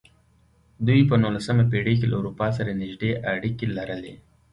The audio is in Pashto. دوی په نولسمه پېړۍ کې له اروپا سره نږدې اړیکې لرلې.